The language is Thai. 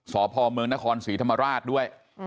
สพเมืองนครศรีธรรมราชด้วย